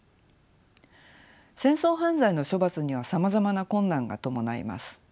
戦争犯罪の処罰にはさまざまな困難が伴います。